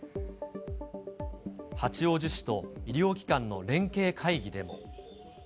八王子市と医療機関の連携会議でも。